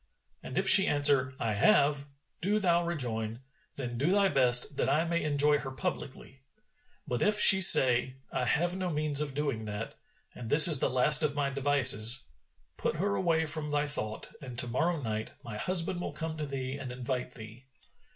And if she answer, 'I have,' do thou rejoin, 'Then do thy best that I may enjoy her publicly.' But, if she say, 'I have no means of doing that, and this is the last of my devices,' put her away from thy thought, and to morrow night my husband will come to thee and invite thee.